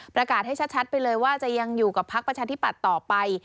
ประกาศให้ชัดไปเลยว่าจะยังอยู่กับพักประชาธิปัตย์ต่อไป